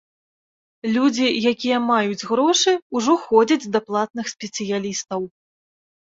Людзі, якія маюць грошы, ужо ходзяць да платных спецыялістаў.